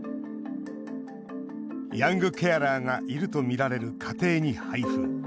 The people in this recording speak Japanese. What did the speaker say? ヤングケアラーがいるとみられる家庭に配付。